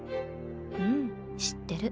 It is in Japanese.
うん知ってる。